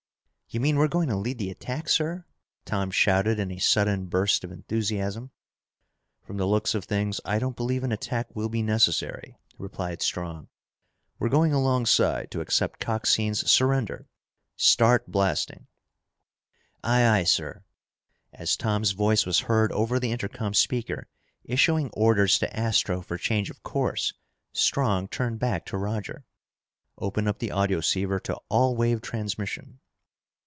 "You mean we're going to lead the attack, sir?" Tom shouted in a sudden burst of enthusiasm. "From the looks of things, I don't believe an attack will be necessary," replied Strong. "We're going alongside to accept Coxine's surrender. Start blasting!" "Aye, aye, sir!" As Tom's voice was heard over the intercom speaker, issuing orders to Astro for change of course, Strong turned back to Roger. "Open up the audioceiver to all wave transmission!"